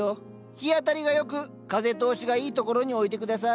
日当たりが良く風通しがいいところに置いて下さい。